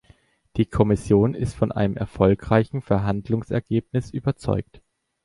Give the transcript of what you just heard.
Die Kommission ist von einem erfolgreichen Verhandlungsergebnis überzeugt.